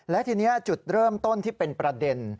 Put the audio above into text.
และทีนี้จุดเริ่มต้นที่เป็นประเด็น